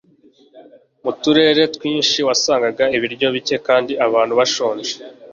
mu turere twinshi, wasangaga ibiryo bike kandi abantu bashonje